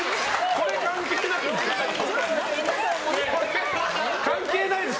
これ、関係ないです。